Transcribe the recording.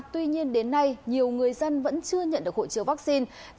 tuy nhiên đến nay nhiều người dân vẫn chưa nhận được hội chiếu vaccine